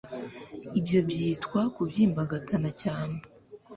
ibyo byitwa kubyimbagana cyane